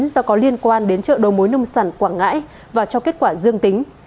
do có liên quan đến chợ đầu mối nông sản quảng ngãi và cho kết quả dương tính